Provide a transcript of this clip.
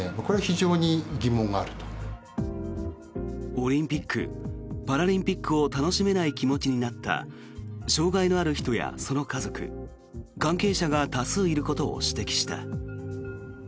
オリンピック・パラリンピックを楽しめない気持ちになった障害のある人や、その家族関係者が多数いることを指摘した。